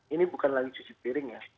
ini bukan lagi cuci piring ya